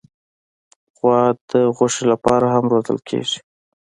غوا د غوښې لپاره هم روزل کېږي.